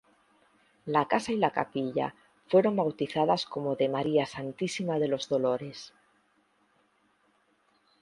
La casa y la capilla fueron bautizadas como de María Santísima de los Dolores.